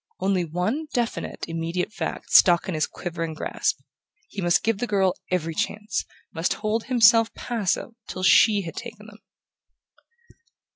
Only one definite immediate fact stuck in his quivering grasp. He must give the girl every chance must hold himself passive till she had taken them...